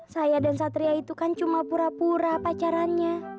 saya dan satria itu kan cuma pura pura pacarannya